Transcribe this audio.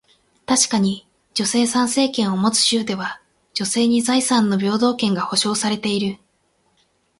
確かに、女性参政権を持つ州では、女性に財産の平等権が保証されている。